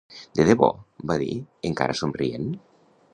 "De debò?", va dir, encara somrient.